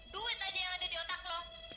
duit aja yang ada di otak lo